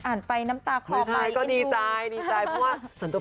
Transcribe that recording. อ่านไปน้ำตาคอไปทำไมไม่ใช่ก็ดีใจ